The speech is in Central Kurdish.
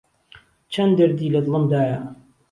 چهن دهردی له دڵم دایه